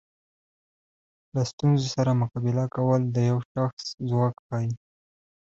له ستونزو سره مقابله کول د یو شخص ځواک ښیي.